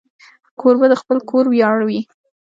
کوربه د خپل کور ویاړ وي.